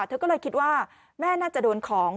เธอก็เลยคิดว่าแม่น่าจะโดนของ